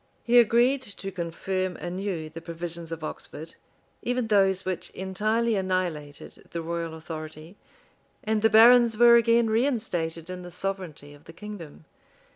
He agreed to confirm anew the provisions of Oxford, even those which entirely annihilated the royal authority; and the barons were again reinstated in the sovereignty of the kingdom.